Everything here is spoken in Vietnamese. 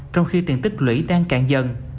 trong khi tiền tích lũy đang cạn dần